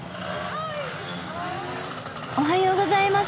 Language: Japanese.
おはようございます。